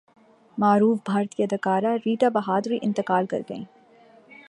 معروف بھارتی اداکارہ ریٹا بہادری انتقال کرگئیں